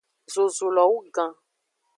Zozulo wu gan.